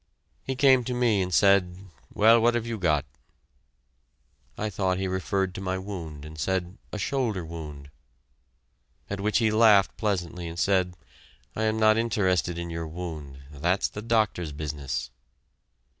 He came to me and said, "Well, what have you got?" I thought he referred to my wound, and said, "A shoulder wound." At which he laughed pleasantly and said, "I am not interested in your wound; that's the doctor's business."